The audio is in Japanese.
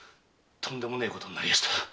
とんでもねえことになりました。